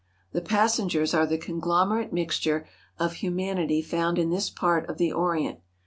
The passengers are the conglomerate mixture of human ity found in this part of the Orient.